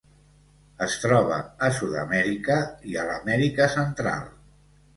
Es troba a Sud-amèrica i a l'Amèrica Central.